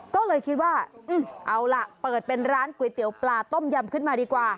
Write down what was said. ก็เลยคิดว่าเอาล่ะเปิดเป็นร้านก๋วยเตี๋ยวปลาต้มยำขึ้นมาดีกว่า